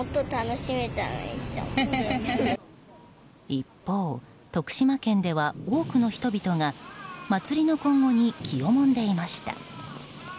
一方、徳島県では多くの人々が祭りの今後に気をもんでいました。